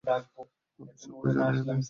আমি সবটা জানি।